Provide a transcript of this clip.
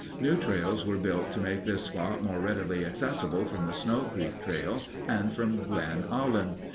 New trails were built to make this spot more readily accessible from the Snow Creek Trail and from Glen Aulin.